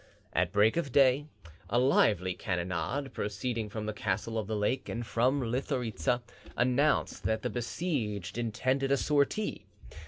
At break of day a lively cannonade, proceeding from the castle of the lake and from Lithoritza, announced that the besieged intended a sortie.